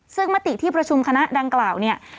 ซึ่งมติที่ประชุมคณะดังกล่าวเนี่ย